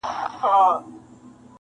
نو یې ووېشل ډوډۍ پر قسمتونو.!